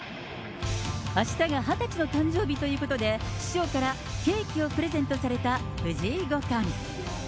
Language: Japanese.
あしたが２０歳の誕生日ということで、師匠からケーキをプレゼントされた藤井五冠。